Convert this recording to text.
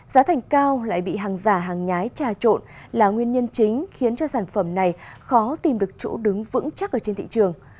giá thành cao lại bị hàng giả hàng nhái trà trộn là nguyên nhân chính khiến cho sản phẩm này khó tìm được chỗ đứng vững chắc ở trên thị trường